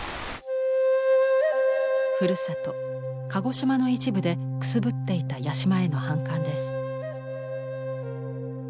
ふるさと鹿児島の一部でくすぶっていた八島への反感です。